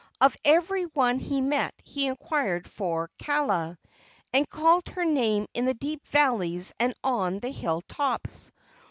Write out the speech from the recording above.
Of every one he met he inquired for Kaala, and called her name in the deep valleys and on the hill tops.